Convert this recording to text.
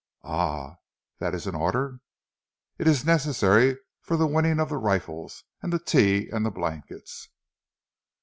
"Ah! That is an order?" "It is necessary for the winning of the rifles, and the tea and the blankets."